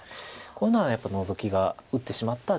これならやっぱノゾキが打ってしまった